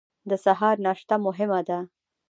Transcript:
د سهار ناشته مهمه ده